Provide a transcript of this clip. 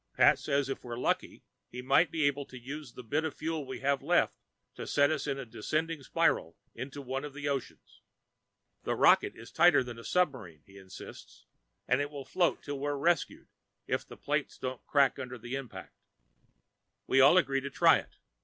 Pat says if we're lucky, he might be able to use the bit of fuel we have left to set us in a descending spiral into one of the oceans. The rocket is tighter than a submarine, he insists, and it will float till we're rescued, if the plates don't crack under the impact. We all agreed to try it.